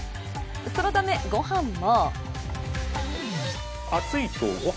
そのため、ご飯も。